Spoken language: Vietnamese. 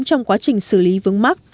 trong quá trình xử lý vướng mắt